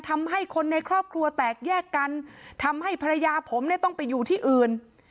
ทำให้คนในครอบครัวแตกแยกกันทำให้ภรรยาผมเนี่ยต้องไปอยู่ที่อื่น